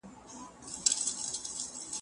ریښه اوبو کې ده، پرڅانګې غوټۍ ویني سپرلی